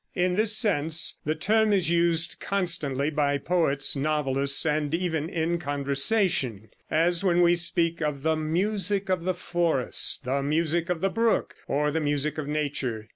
In this sense the term is used constantly by poets, novelists and even in conversation as when we speak of the "music of the forest," the "music of the brook" or the "music of nature."